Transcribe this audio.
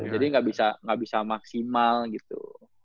jadi gak bisa gak bisa maksimal gitu